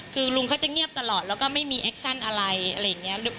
คือลุงเขาจะเงียบตลอดแล้วก็ไม่มีแอคชั่นอะไรอะไรอย่างนี้